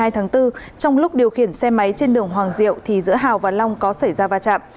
hai mươi hai tháng bốn trong lúc điều khiển xe máy trên đường hoàng diệu thì giữa hảo và long có xảy ra va chạm